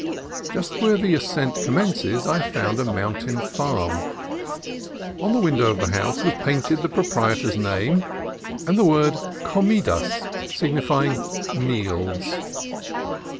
Just where the ascent com mences I found a mountain farm. On the window of the house was painted the proprietor's name and the word Comidas, signifying "Meals."